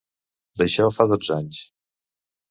D'això fa dotze anys.